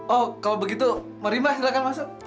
oh kalau begitu mari mbak silakan masuk